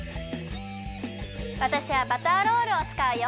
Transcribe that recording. わたしはバターロールをつかうよ。